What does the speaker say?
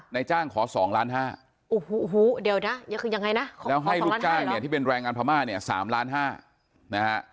นายจ้างขอ๒ล้าน๕แล้วให้ลูกจ้างเนี่ยที่เป็นแรงงานพม่าเนี่ย๓ล้าน๕นะฮะ